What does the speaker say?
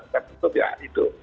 ketutup ya itu